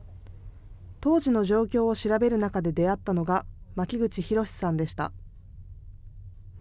当時の状況を調べる中で出会ったのが、巻口弘さんでした。